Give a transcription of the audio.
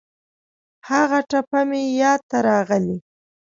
هغه ټپه مې یاد ته راغلې.